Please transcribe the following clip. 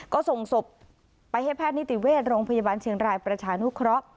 ก็ส่งศพไปให้แพทย์นิติเวชโรงพยาบาลเชียงรายประชานุเคราะห์